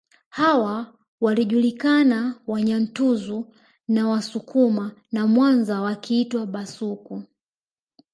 Hawa wakijulikana Wanyantuzu na Wasukuma wa Mwanza wakiitwa Bhasuku